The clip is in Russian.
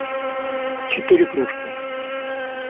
четыре кружки